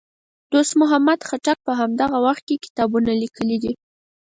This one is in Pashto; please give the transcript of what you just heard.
دوست محمد خټک په همدغه وخت کې کتابونه لیکي دي.